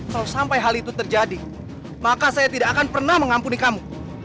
kalau sampai hal itu terjadi maka saya tidak akan pernah mengampuni kamu